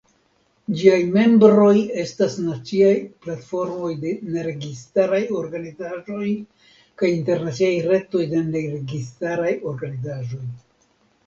Ĝiaj membroj estas naciaj platformoj de neregistaraj organizaĵoj kaj internaciaj retoj de neregistaraj organizaĵoj.